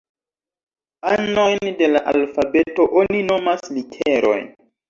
Anojn de la alfabeto oni nomas literoj.